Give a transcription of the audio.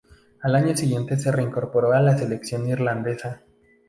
Al año siguiente se reincorporó a la selección irlandesa.